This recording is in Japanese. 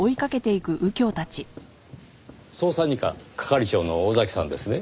捜査二課係長の尾崎さんですね？